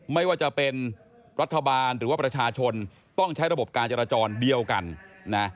ไม่ว่าจะเป็นรัฐบาลหรือว่าประชาชนต้องใช้ระบบการจราจรเดียวกันนะ